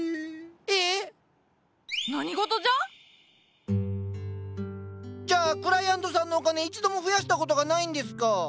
ええ⁉何事じゃ⁉じゃあクライアントさんのお金一度も増やした事がないんですか。